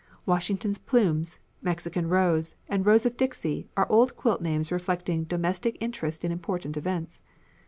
"Washington's Plumes," "Mexican Rose," and "Rose of Dixie" are old quilt names reflecting domestic interest in important events.